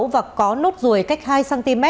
và có nốt ruồi cách hai cm